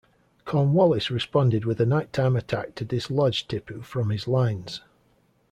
Cornwallis responded with a night-time attack to dislodge Tipu from his lines.